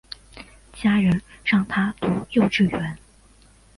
家人让她读幼稚园